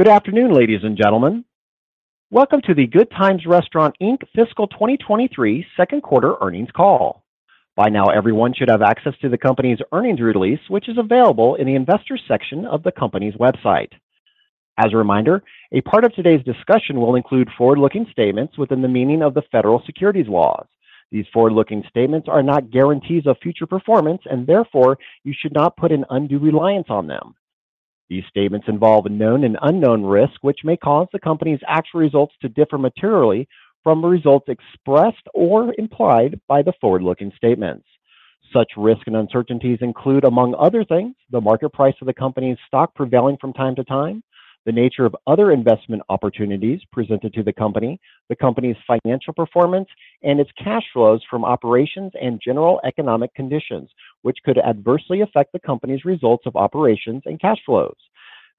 Good afternoon, ladies and gentlemen. Welcome to the Good Times Restaurants Inc. fiscal 2023 Q2 earnings call. By now, everyone should have access to the company's earnings release, which is available in the investors section of the company's website. As a reminder, a part of today's discussion will include forward-looking statements within the meaning of the federal securities laws. These forward-looking statements are not guarantees of future performance, and therefore, you should not put an undue reliance on them. These statements involve known and unknown risks which may cause the company's actual results to differ materially from the results expressed or implied by the forward-looking statements. Such risks and uncertainties include, among other things, the market price of the company's stock prevailing from time to time, the nature of other investment opportunities presented to the company, the company's financial performance, and its cash flows from operations and general economic conditions, which could adversely affect the company's results of operations and cash flows.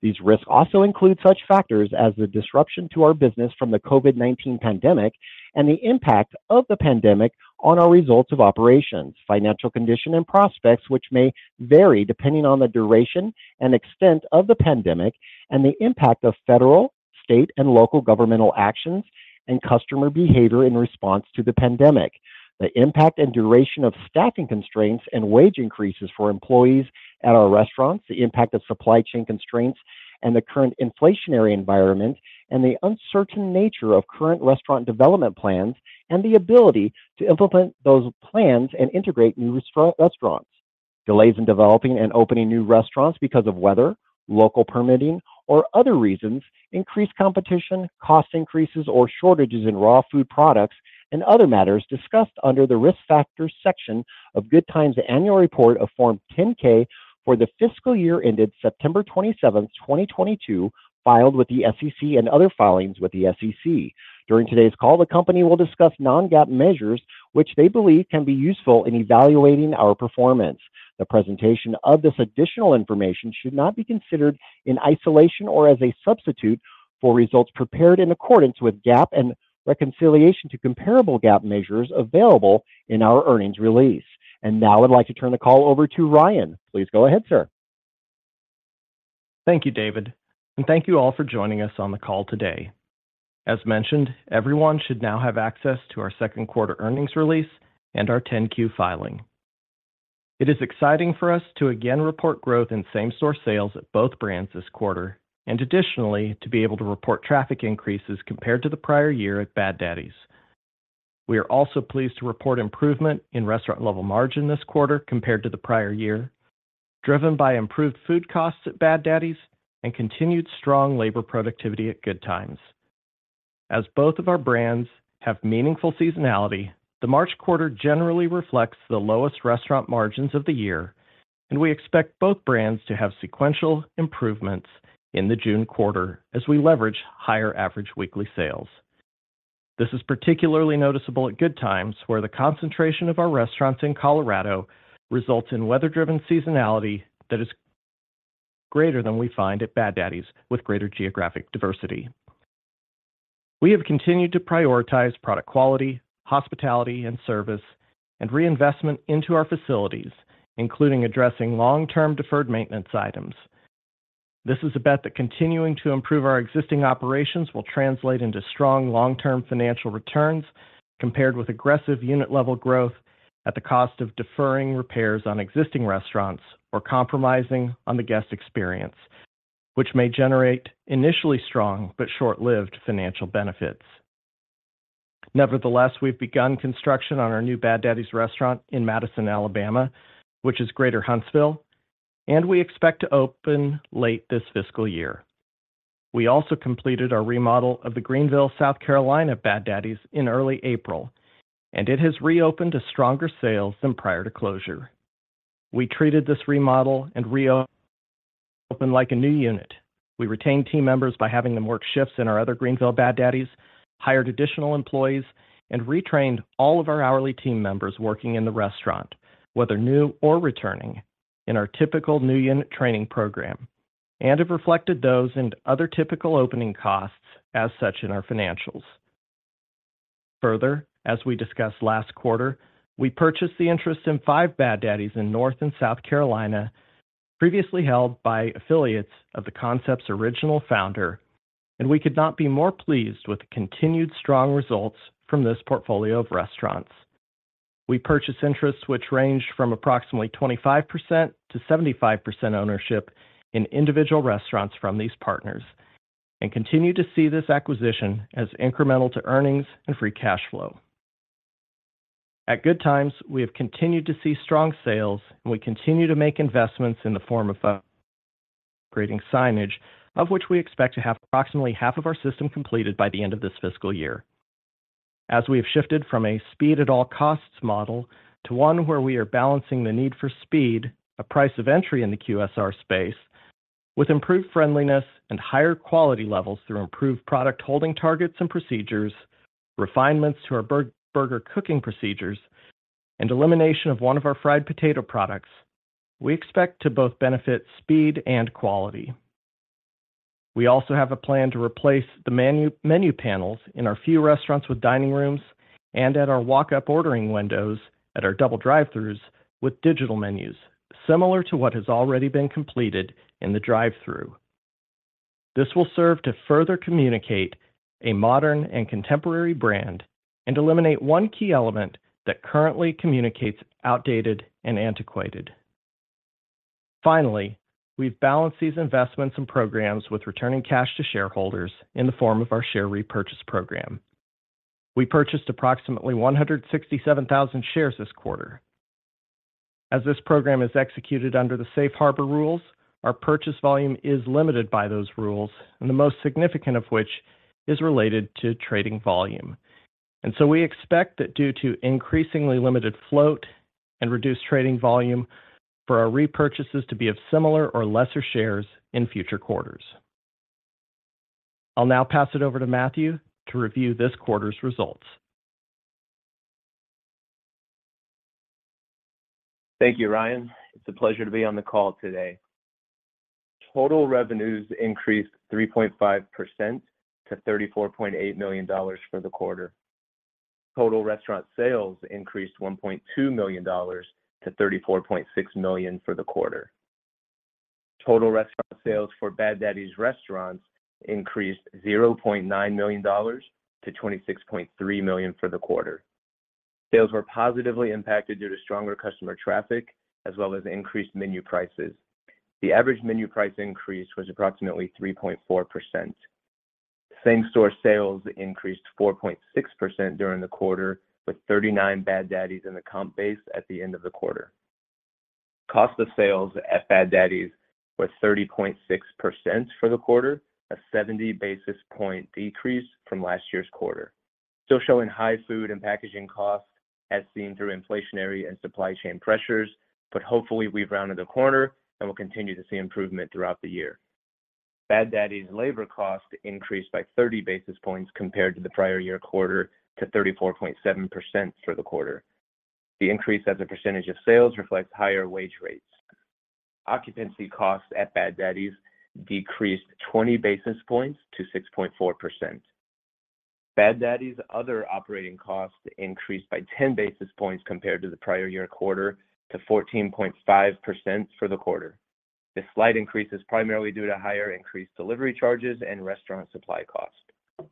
These risks also include such factors as the disruption to our business from the COVID-19 pandemic and the impact of the pandemic on our results of operations, financial condition and prospects, which may vary depending on the duration and extent of the pandemic, and the impact of federal, state, and local governmental actions and customer behavior in response to the pandemic. The impact and duration of staffing constraints and wage increases for employees at our restaurants, the impact of supply chain constraints and the current inflationary environment, the uncertain nature of current restaurant development plans and the ability to implement those plans and integrate new restaurants. Delays in developing and opening new restaurants because of weather, local permitting or other reasons, increased competition, cost increases or shortages in raw food products, other matters discussed under the Risk Factors section of Good Times Annual Report of Form 10-K for the fiscal year ended September 27th, 2022, filed with the SEC and other filings with the SEC. During today's call, the company will discuss non-GAAP measures which they believe can be useful in evaluating our performance. The presentation of this additional information should not be considered in isolation or as a substitute for results prepared in accordance with GAAP and reconciliation to comparable GAAP measures available in our earnings release. Now I'd like to turn the call over to Ryan. Please go ahead, sir. Thank you, David, and thank you all for joining us on the call today. As mentioned, everyone should now have access to our Q2 earnings release and our 10-Q filing. It is exciting for us to again report growth in same-store sales at both brands this quarter and additionally, to be able to report traffic increases compared to the prior year at Bad Daddy's. We are also pleased to report improvement in restaurant level margin this quarter compared to the prior year, driven by improved food costs at Bad Daddy's and continued strong labor productivity at Good Times. As both of our brands have meaningful seasonality, the March quarter generally reflects the lowest restaurant margins of the year, and we expect both brands to have sequential improvements in the June quarter as we leverage higher average weekly sales. This is particularly noticeable at Good Times, where the concentration of our restaurants in Colorado results in weather-driven seasonality that is greater than we find at Bad Daddy's with greater geographic diversity. We have continued to prioritize product quality, hospitality and service, and reinvestment into our facilities, including addressing long-term deferred maintenance items. This is a bet that continuing to improve our existing operations will translate into strong long-term financial returns compared with aggressive unit-level growth at the cost of deferring repairs on existing restaurants or compromising on the guest experience, which may generate initially strong but short-lived financial benefits. Nevertheless, we've begun construction on our new Bad Daddy's restaurant in Madison, Alabama, which is Greater Huntsville, and we expect to open late this fiscal year. We also completed our remodel of the Greenville, South Carolina Bad Daddy's in early April, and it has reopened to stronger sales than prior to closure. We treated this remodel and reopen like a new unit. We retained team members by having them work shifts in our other Greenville Bad Daddy's, hired additional employees, and retrained all of our hourly team members working in the restaurant, whether new or returning, in our typical new unit training program, and have reflected those in other typical opening costs as such in our financials. As we discussed last quarter, we purchased the interest in 5 Bad Daddy's in North and South Carolina, previously held by affiliates of the concept's original founder, and we could not be more pleased with the continued strong results from this portfolio of restaurants. We purchased interests which ranged from approximately 25% to 75% ownership in individual restaurants from these partners and continue to see this acquisition as incremental to earnings and free cash flow. At Good Times, we have continued to see strong sales, and we continue to make investments in the form of upgrading signage, of which we expect to have approximately half of our system completed by the end of this fiscal year. As we have shifted from a speed at all costs model to one where we are balancing the need for speed, a price of entry in the QSR space with improved friendliness and higher quality levels through improved product holding targets and procedures, refinements to our burger cooking procedures, and elimination of one of our fried potato products, we expect to both benefit speed and quality. We also have a plan to replace the menu panels in our few restaurants with dining rooms. At our walk-up ordering windows at our double drive-throughs with digital menus, similar to what has already been completed in the drive-through. This will serve to further communicate a modern and contemporary brand and eliminate one key element that currently communicates outdated and antiquated. Finally, we've balanced these investments and programs with returning cash to shareholders in the form of our share repurchase program. We purchased approximately 167,000 shares this quarter. As this program is executed under the safe harbor rules, our purchase volume is limited by those rules, and the most significant of which is related to trading volume. We expect that due to increasingly limited float and reduced trading volume for our repurchases to be of similar or lesser shares in future quarters. I'll now pass it over to Matthew to review this quarter's results. Thank you, Ryan. It's a pleasure to be on the call today. Total revenues increased 3.5% to $34.8 million for the quarter. Total restaurant sales increased $1.2 million to $34.6 million for the quarter. Total restaurant sales for Bad Daddy's restaurants increased $0.9 million to $26.3 million for the quarter. Sales were positively impacted due to stronger customer traffic as well as increased menu prices. The average menu price increase was approximately 3.4%. Same-store sales increased 4.6% during the quarter, with 39 Bad Daddy's in the comp base at the end of the quarter. Cost of sales at Bad Daddy's was 30.6% for the quarter, a 70 basis point decrease from last year's quarter. Still showing high food and packaging costs as seen through inflationary and supply chain pressures, hopefully we've rounded the corner and will continue to see improvement throughout the year. Bad Daddy's labor cost increased by 30 basis points compared to the prior year quarter to 34.7% for the quarter. The increase as a percentage of sales reflects higher wage rates. Occupancy costs at Bad Daddy's decreased 20 basis points to 6.4%. Bad Daddy's other operating costs increased by 10 basis points compared to the prior year quarter to 14.5% for the quarter. This slight increase is primarily due to higher increased delivery charges and restaurant supply costs.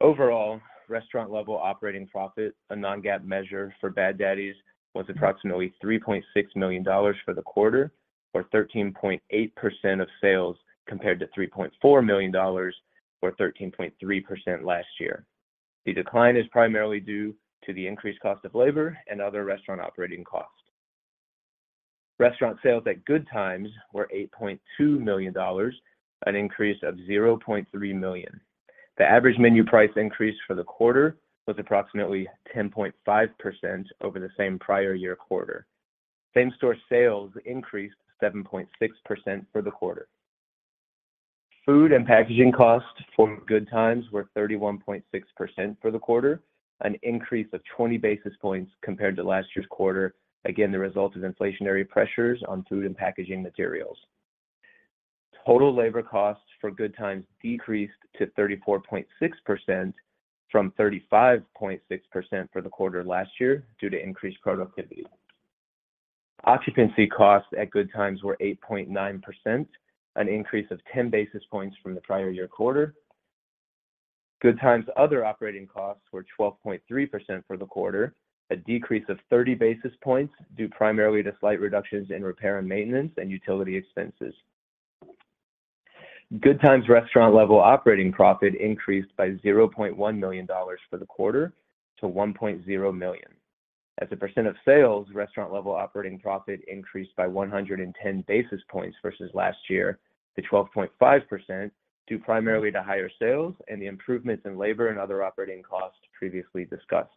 Overall, Restaurant Level Operating Profit, a non-GAAP measure for Bad Daddy's, was approximately $3.6 million for the quarter or 13.8% of sales compared to $3.4 million or 13.3% last year. The decline is primarily due to the increased cost of labor and other restaurant operating costs. Restaurant sales at Good Times were $8.2 million, an increase of $0.3 million. The average menu price increase for the quarter was approximately 10.5% over the same prior year quarter. Same-store sales increased 7.6% for the quarter. Food and packaging costs for Good Times were 31.6% for the quarter, an increase of 20 basis points compared to last year's quarter. The result of inflationary pressures on food and packaging materials. Total labor costs for Good Times decreased to 34.6% from 35.6% for the quarter last year due to increased productivity. Occupancy costs at Good Times were 8.9%, an increase of 10 basis points from the prior year quarter. Good Times other operating costs were 12.3% for the quarter, a decrease of 30 basis points due primarily to slight reductions in repair and maintenance and utility expenses. Good Times Restaurant Level Operating Profit increased by $0.1 million for the quarter to $1.0 million. As a percent of sales, Restaurant Level Operating Profit increased by 110 basis points versus last year to 12.5%, due primarily to higher sales and the improvements in labor and other operating costs previously discussed.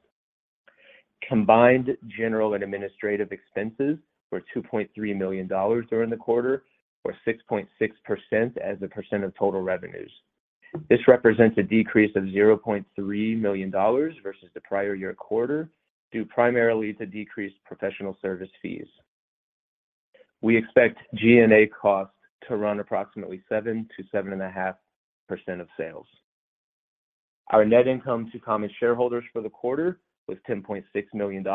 Combined general and administrative expenses were $2.3 million during the quarter or 6.6% as a percent of total revenues. This represents a decrease of $0.3 million versus the prior year quarter, due primarily to decreased professional service fees. We expect G&A costs to run approximately 7% to 7.5% of sales. Our net income to common shareholders for the quarter was $10.6 million,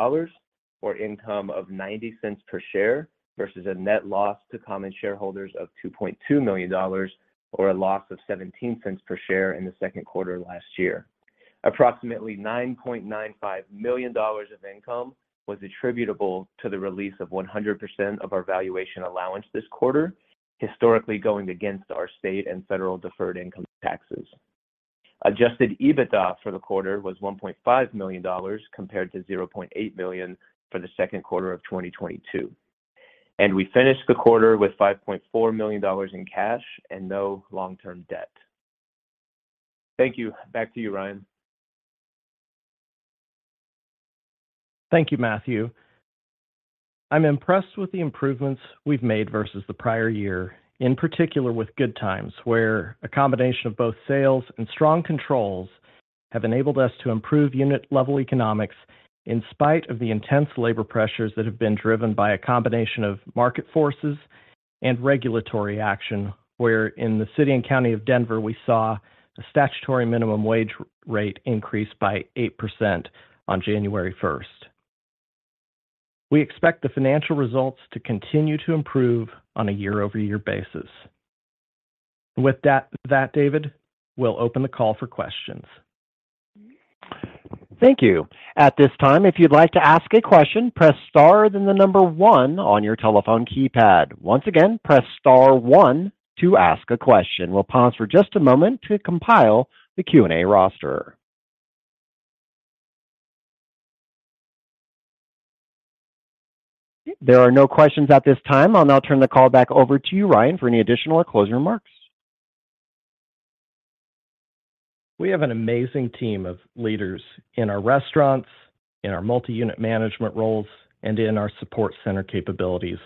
or income of $0.90 per share, versus a net loss to common shareholders of $2.2 million, or a loss of $0.17 per share in the Q2 last year. Approximately $9.95 million of income was attributable to the release of 100% of our valuation allowance this quarter, historically going against our state and federal deferred income taxes. Adjusted EBITDA for the quarter was $1.5 million compared to $0.8 million for the Q2 of 2022. We finished the quarter with $5.4 million in cash and no long-term debt. Thank you. Back to you, Ryan. Thank you, Matthew. I'm impressed with the improvements we've made versus the prior year, in particular with Good Times, where a combination of both sales and strong controls have enabled us to improve unit level economics in spite of the intense labor pressures that have been driven by a combination of market forces and regulatory action. Where in the City and County of Denver, we saw a statutory minimum wage rate increase by 8% on January 1st. We expect the financial results to continue to improve on a year-over-year basis. With that, David, we'll open the call for questions. Thank you. At this time, if you'd like to ask a question, press star, then one on your telephone keypad. Once again, press star one to ask a question. We'll pause for just a moment to compile the Q&A roster. There are no questions at this time. I'll now turn the call back over to you, Ryan, for any additional or closing remarks. We have an amazing team of leaders in our restaurants, in our multi-unit management roles, and in our support center capabilities,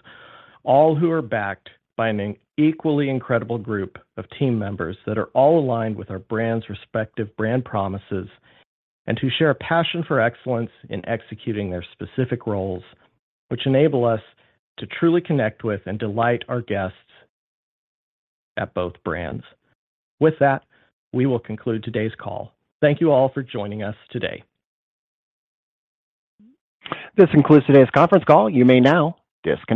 all who are backed by an equally incredible group of team members that are all aligned with our brands respective brand promises and who share a passion for excellence in executing their specific roles which enable us to truly connect with and delight our guests at both brands. With that, we will conclude today's call. Thank you all for joining us today. This concludes today's conference call. You may now disconnect.